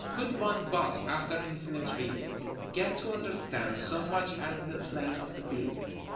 Could one but, after infinite reading, get to understand so much as the plan of the building!